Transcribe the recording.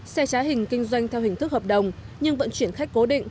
xe trá hình kinh doanh theo hình thức hợp đồng nhưng vận chuyển khách cố định